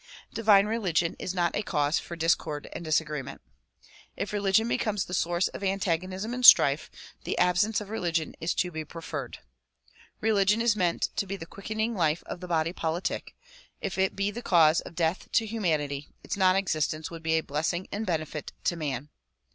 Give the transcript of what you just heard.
Divine religion is not a cause for discord and disagreement. If religion becomes the source of antag onism and strife, the absence of religion is to be preferred. Religion is meant to be the quickening life of the body politic ; if it be the cause of death to humanity, its non existence would be a blessing and benefit to man.